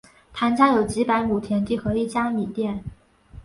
谭家有几百亩田地和一家米店。